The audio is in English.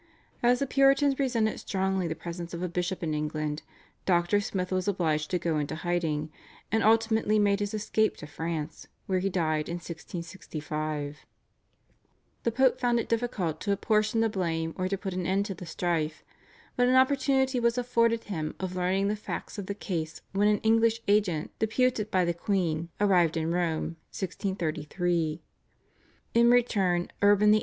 As the Puritans resented strongly the presence of a bishop in England, Dr. Smith was obliged to go into hiding, and ultimately made his escape to France, where he died in 1665. The Pope found it difficult to apportion the blame or to put an end to the strife, but an opportunity was afforded him of learning the facts of the case when an English agent deputed by the queen arrived in Rome (1633). In return Urban VIII.